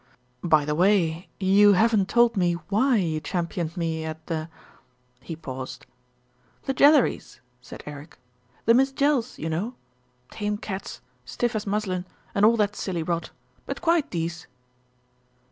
"By the way, you haven't told me why you championed me at the " He paused. "The Jelleries," said Eric. "The Miss Jells, you know. Tame cats, stiff as muslin, and all that silly rot; but quite dece."